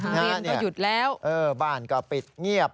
อันนี้บ้านก็ปิดเงียบ